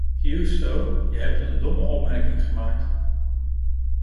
Giusto, je hebt een domme opmerking gemaakt.